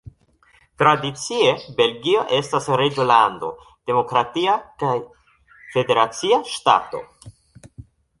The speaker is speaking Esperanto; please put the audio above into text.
Tradicie Belgio estas Reĝolando, demokratia kaj federacia ŝtato.